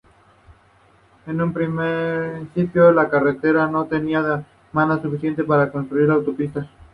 En un principio la carretera no tenía la demanda suficiente para construir una autopista.